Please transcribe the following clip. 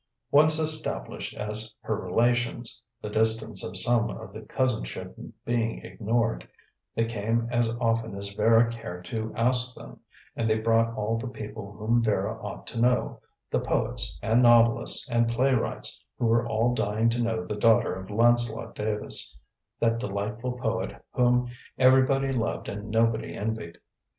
Once established as her relations the distance of some of the cousinship being ignored they came as often as Vera cared to ask them, and they brought all the people whom Vera ought to know, the poets, and novelists, and playwrights, who were all dying to know the daughter of Lancelot Davis, that delightful poet whom everybody loved and nobody envied.